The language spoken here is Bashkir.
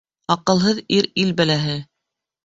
Аҡылһыҙ ир ил бәләһе.